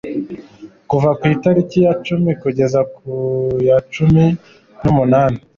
kuva ku itariki ya cumi kugeza ku ya cumi n;umunani